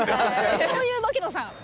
そういう槙野さん。